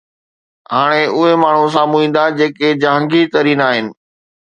هاڻي اهي ماڻهو سامهون ايندا جيڪي جهانگير ترين آهن